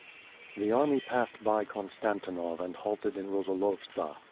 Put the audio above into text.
The army passed by Konstantinov and halted in Roeolovtsa.